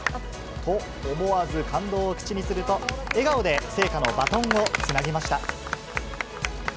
と思わず感動を口にすると、笑顔で聖火のバトンをつなぎました。